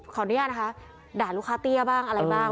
ขออนุญาตนะคะด่าลูกค้าเตี้ยบ้างอะไรบ้าง